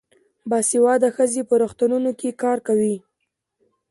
باسواده ښځې په روغتونونو کې کار کوي.